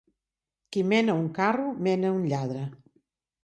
Qui mena un carro mena un lladre.